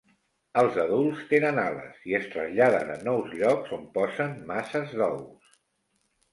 Els adults tenen ales i es traslladen a nous llocs on posen masses d'ous.